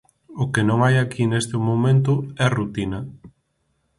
O que non hai aquí neste momento é rutina.